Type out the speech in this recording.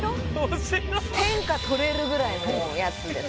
天下取れるぐらいのやつです